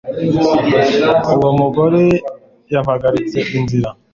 uwo mugore yampagaritse inzira